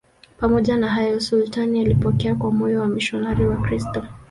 Pamoja na hayo, sultani alipokea kwa moyo wamisionari Wakristo.